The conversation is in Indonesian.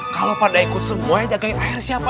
kalo pada ikut semua ya jagain air siapa